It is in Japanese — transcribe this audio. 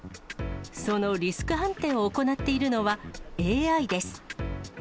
そのリスク判定を行っているのはＡＩです。